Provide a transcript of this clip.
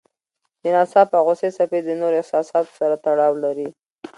د ناڅاپه غوسې څپې د نورو احساساتو سره تړاو لري.